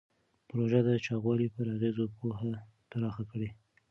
پروژه د چاغوالي پر اغېزو پوهه پراخه کړې.